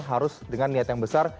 harus dengan niat yang besar